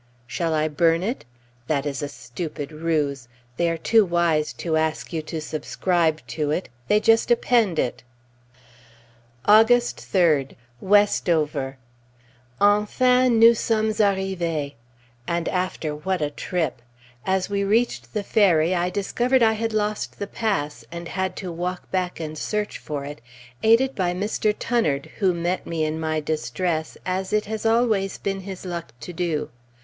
shall I burn it? That is a stupid ruse; they are too wise to ask you to subscribe to it, they just append it. August 3d, WESTOVER. Enfin nous sommes arrivées! And after what a trip! As we reached the ferry, I discovered I had lost the pass, and had to walk back and search for it, aided by Mr. Tunnard, who met me in my distress, as it has always been his luck to do.